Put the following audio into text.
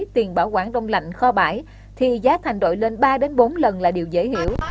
tiền bảo quản đông lạnh kho bãi thì giá thành đội lên ba bốn lần là điều dễ hiểu